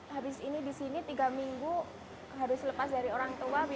habis ini di sini tiga minggu harus lepas dari orang tua